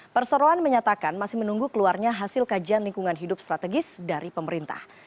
perseroan menyatakan masih menunggu keluarnya hasil kajian lingkungan hidup strategis dari pemerintah